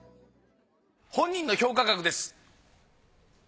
本人の評価額です。